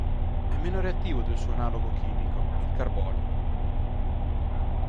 È meno reattivo del suo analogo chimico, il carbonio.